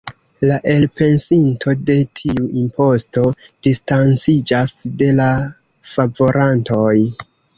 La elpensinto de tiu imposto distanciĝas de la favorantoj.